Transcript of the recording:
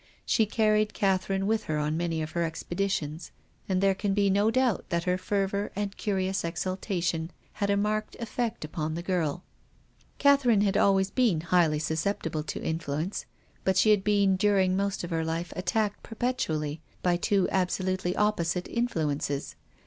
She carried Catherine with her on many of her expeditions, and there can be no doubt that her fervour and curious exaltation had a marked effect upon the girl. Catherine had always been highly susceptible to influence, but she had been during most of her life attacked perpetually by two absolutely opposite influences.